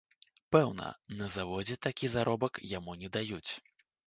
Пэўна, на заводзе такі заробак яму не даюць.